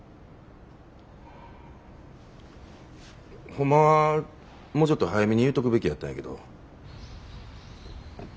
ホンマはもうちょっと早めに言うとくべきやったんやけど。